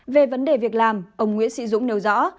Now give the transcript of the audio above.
về vấn đề việc làm ông nguyễn sĩ dũng nêu rõ